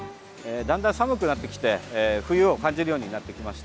だんだん寒くなってきて冬を感じるようになってきました。